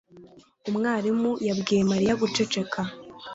Umwarimu yabwiye Mariya guceceka